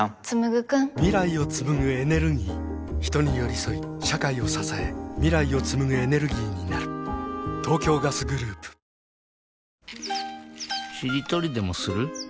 未来をつむぐエネルギー人によりそい社会をささえ未来をつむぐエネルギーになる東京ガスグループしりとりでもする？